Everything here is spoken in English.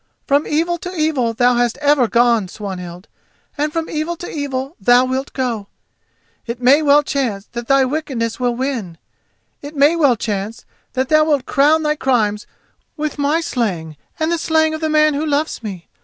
From evil to evil thou hast ever gone, Swanhild, and from evil to evil thou wilt go. It may well chance that thy wickedness will win. It may well chance that thou wilt crown thy crimes with my slaying and the slaying of the man who loves me.